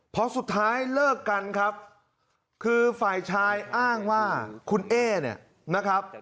เพราะสุดท้ายเลิกกันครับคือฝ่ายชายอ้างว่าคุณเอ๊เนี่ยนะครับ